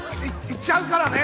行っちゃうからね！